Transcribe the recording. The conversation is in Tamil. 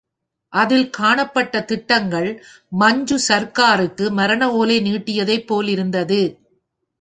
அதில் காணப்பட்ட திட்டங்கள் மஞ்சு சர்க்காருக்கு மரண ஓலை நீட்டியதைப் போலிருந்தது.